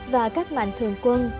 và các mạnh thường quân